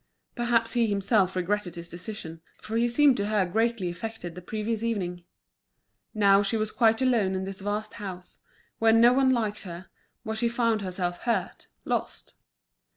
Perhaps he himself regretted his decision, for he seemed to her greatly affected the previous evening. Now she was quite alone in this vast house, where no one liked her, where she found herself hurt, lost.